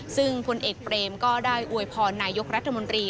ซึ่งพลเอกเปรมก็ได้อวยพรนายกรัฐมนตรี